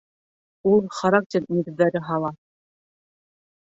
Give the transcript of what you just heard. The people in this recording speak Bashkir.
Ул характер нигеҙҙәре һала